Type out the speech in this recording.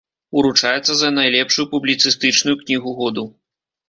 Уручаецца за найлепшую публіцыстычную кнігу году.